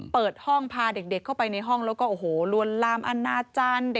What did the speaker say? เปิดห้องพาเด็กเข้าไปในห้องแล้วก็โอ้โหลวนลามอนาจารย์